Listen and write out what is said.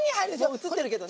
もう映ってるけどね。